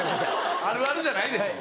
あるあるじゃないでしょ。